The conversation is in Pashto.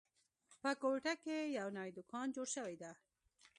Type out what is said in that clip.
په کوټه کې یو نوی دوکان جوړ شوی ده